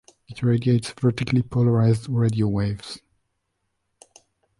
It radiates vertically polarized radio waves.